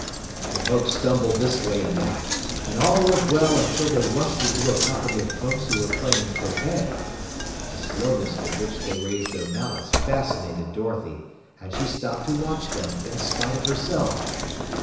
The Pokes stumbled this way and that, and all went well until they rushed into a company of Pokes who were playing croquet. The slowness with which they raised their mallets fascinated Dorothy, and she stopped to watch them in spite of herself.